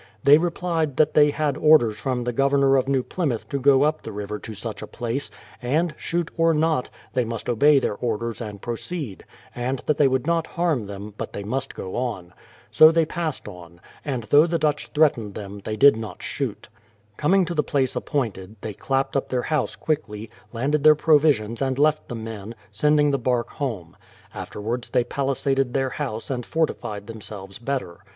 They replied tliat they had orders from the Governor of New Plymouth to go up the river to such a place, and, shoot or not, they must obey their orders and proceed; and that they would not harm them, but they must go on. So they passed on, and tliough the Dutch threatened them they did not shoot. Coming to the place appointed, they clapped up their house quickly, landed their provisions and left the men, sending the bark home. Afterwards they palisaded their house and fortified them selves better.